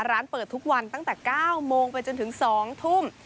ร้านเปิดทุกวันตั้งแต่๙โมงไปจนถึง๒ทุ่ม